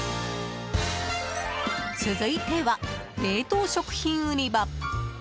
続いては、冷凍食品売り場。